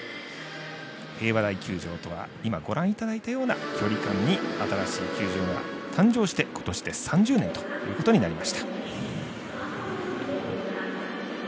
平和台球場とは今、ご覧いただいたような距離感に新しい球場が誕生して今年で３０年ということになりました。